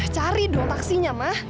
cari dong taksinya ma